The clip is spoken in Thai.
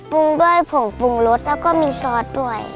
ด้วยผงปรุงรสแล้วก็มีซอสด้วย